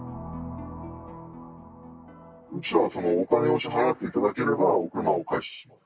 うちはお金を支払っていただければお車をお返しします。